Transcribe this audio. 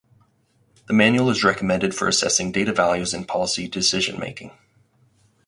The manual is recommended for assessing data values in policy decision making.